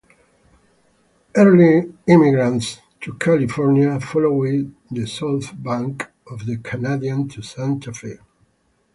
Early immigrants to California followed the south bank of the Canadian to Santa Fe.